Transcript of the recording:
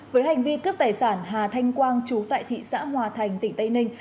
với hành vi cướp tài sản hà thanh quang chú tại thị xã hòa thành tỉnh tây ninh